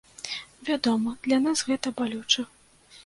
Вядома, для нас гэта балюча.